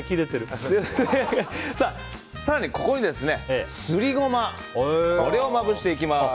更にここにすりゴマをまぶしていきます。